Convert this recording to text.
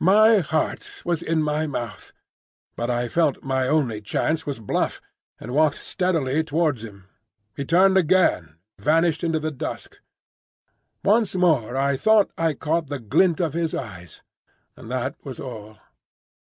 My heart was in my mouth; but I felt my only chance was bluff, and walked steadily towards him. He turned again, and vanished into the dusk. Once more I thought I caught the glint of his eyes, and that was all.